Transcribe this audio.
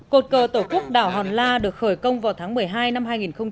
cột cờ tổ quốc đảo hòn la được khởi công vào tháng một mươi hai năm hai nghìn một mươi ba